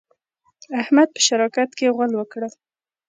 احمد په شراکت کې غول وکړل.